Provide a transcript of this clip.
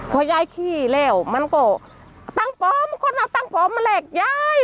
พอยายขี้แล้วมันก็ตั้งปลอมคนเอาตังค์ปลอมมาแลกยาย